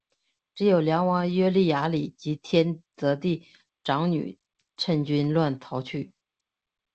只有梁王耶律雅里及天祚帝长女乘军乱逃去。